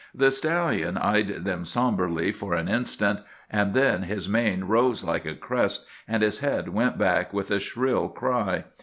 "The stallion eyed them sombrely for an instant; and then his mane rose like a crest, and his head went back with a shrill cry.